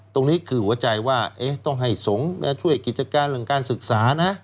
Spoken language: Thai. ตรงนี้คือหัวใจว่าต้องให้สงฆ์ช่วยกิจการเรื่องการศึกษานะ